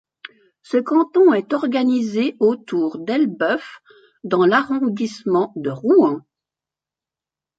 Ce canton est organisé autour d'Elbeuf dans l'arrondissement de Rouen.